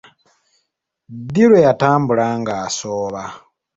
Ddi lwe yatambula ng'asooba?